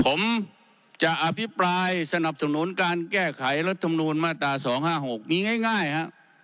ผมจะอภิปรายสนับสนุนการแก้ไขรัฐธรรมนุนมาตราสองห้าหกมีง่ายง่ายฮะ